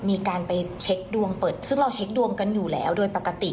มีการไปเช็คดวงเปิดซึ่งเราเช็คดวงกันอยู่แล้วโดยปกติ